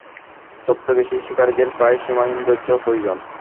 ছদ্মবেশী শিকারীদের প্রায় সীমাহীন ধৈর্য প্রয়োজন।